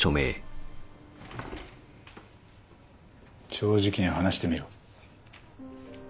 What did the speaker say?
正直に話してみろ。